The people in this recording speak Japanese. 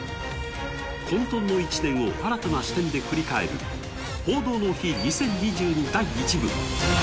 混とんの１年を新たな視点で振り返る「報道の日２０２２・第１部」。